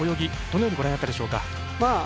どのようにご覧になったでしょうか。